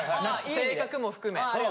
性格も含め。